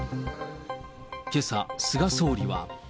けさ、菅総理は。